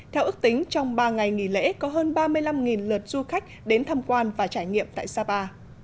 theo ước tính trong ba ngày nghỉ lễ có hơn ba mươi năm lượt du khách đến tham quan và trải nghiệm tại sapa